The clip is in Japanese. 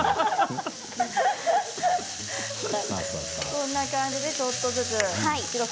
こんな感じでちょっとずつ。